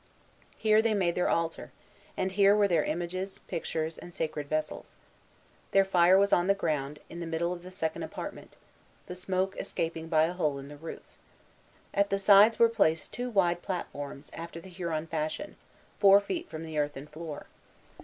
Here they made their altar, and here were their images, pictures, and sacred vessels. Their fire was on the ground, in the middle of the second apartment, the smoke escaping by a hole in the roof. At the sides were placed two wide platforms, after the Huron fashion, four feet from the earthen floor.